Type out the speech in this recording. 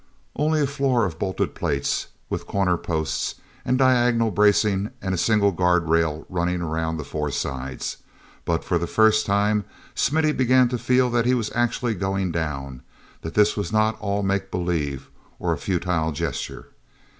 Only a floor of bolted plates, with corner posts and diagonal bracing and a single guard rail running around the four sides—but for the first time Smithy began to feel that he was actually going down; that this was not all make believe, or a futile gesture.